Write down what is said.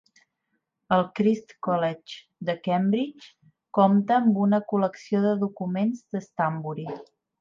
El Christ's College de Cambridge compta amb una col·lecció de documents de Stanbury.